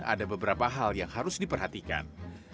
ada beberapa hal yang harus diperhatikan